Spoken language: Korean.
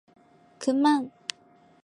그만!